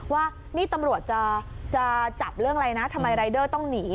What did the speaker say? ว่านี่ตำรวจจะจับเรื่องอะไรนะทำไมรายเดอร์ต้องหนี